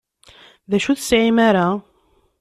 D acu ur tesɛim ara?